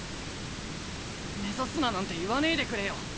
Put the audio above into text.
「目指すな」なんて言わねえでくれよ。